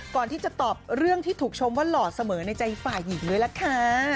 ก่อนที่จะตอบเรื่องที่ถูกชมว่าหล่อเสมอในใจฝ่ายหญิงเลยล่ะค่ะ